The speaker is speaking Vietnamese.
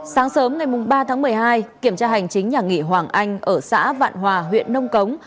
sáng sớm ngày ba tháng một mươi hai kiểm tra hành chính nhà nghị hoàng anh ở xã vạn hòa huyện nông cống